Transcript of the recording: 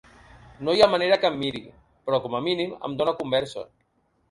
No hi ha manera que em miri, però com a mínim em dona conversa.